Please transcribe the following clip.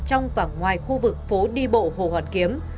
trong và ngoài khu vực phố đi bộ hồ hoàn kiếm